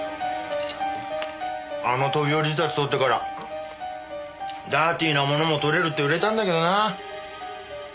あの飛び降り自殺撮ってからダーティーなものも撮れるって売れたんだけどな。